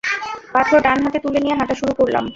পাথর ডান হাতে তুলে নিয়ে হাঁটা শুরু করলাম।